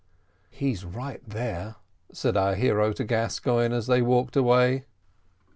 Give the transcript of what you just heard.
"He's right there," said our hero to Gascoigne as they walked away.